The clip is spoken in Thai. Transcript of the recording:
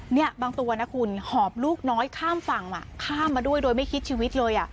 เนี่ยบางตัวนะคุณหอบลูกน้อยข้ามฝั่งข้ามมาด้วยโดยไม่คิดชีวิตเลย